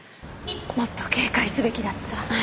もっと警戒すべきだった。